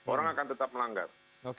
orang akan tetap melanggar